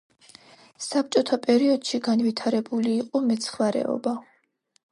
საბჭოთა პერიოდში განვითარებული იყო მეცხვარეობა.